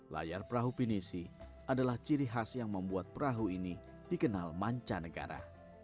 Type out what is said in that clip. layar perahu pinisi adalah ciri khas yang membuat perahu ini dikenal manca negara